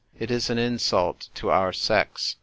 It is an insult to our sex.